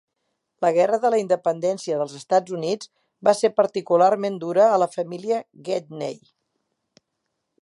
La Guerra de la Independència dels Estats Units va ser particularment dura a la família Gedney.